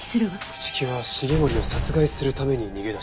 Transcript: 朽木は繁森を殺害するために逃げ出した。